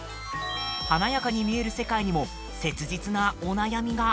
華やかに見える世界にも切実なお悩みが。